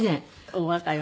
お若いわね。